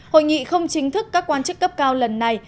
hội nghị không chính thức các quan chức cấp cao lần này